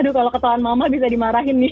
aduh kalo ketauan mama bisa dimarahin nih